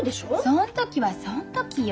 そん時はそん時よ。